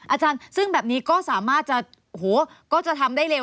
อาจารย์ซึ่งแบบนี้ก็สามารถจะก็จะทำได้เร็ว